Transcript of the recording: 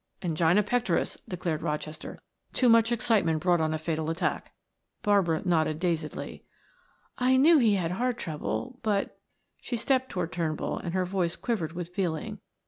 "Angina pectoris," declared Rochester. "Too much excitement brought on a fatal attack." Barbara nodded dazedly. "I knew he had heart trouble, but " She stepped toward Turnbull and her voice quivered with feeling.